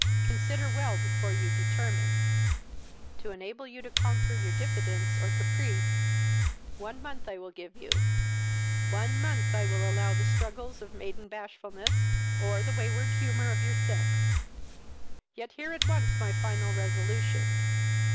Consider well before you determine. To enable you to conquer your diffidence, or caprice, on month I will give you; one month I will allow to the struggles of maiden bashfulness, or the wayward humour of your sex. Yet hear at once my final resolution.